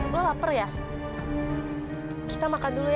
gue lapar ya kita makan dulu ya